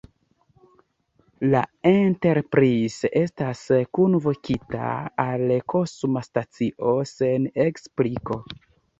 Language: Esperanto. La Enterprise estas kunvokita al kosma stacio sen ekspliko.